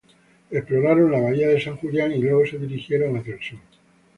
Exploraron la bahía de San Julián y luego se dirigieron hacia el sur.